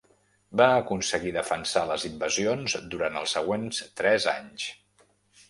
Va aconseguir defensar les invasions durant els següents tres anys.